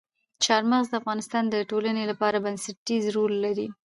چار مغز د افغانستان د ټولنې لپاره بنسټيز رول لري.